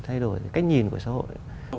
thay đổi cách nhìn của xã hội